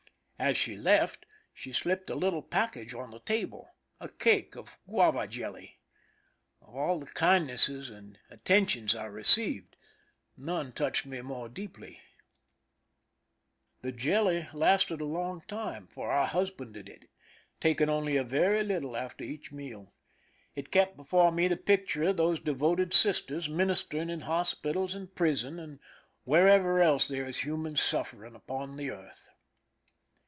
As she left, she slipped a little package on the table, a cake of guava jelly. Of all the kindnesses and attentions I received, none touched me more deeply. The 222 Mr\\ \L AT 11 IS ROuM . PRISON LIFE THE SIEGE jelly lasted a long time, for I husbanded it, taking only a very little after each. meal. It kept before me the picture of these devoted sisters ministering in hospitals and prisons, and wherever else there is human suffering upon the earth.